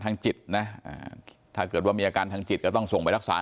ทางจิตนะถ้าเกิดว่ามีอาการทางจิตก็ต้องส่งไปรักษา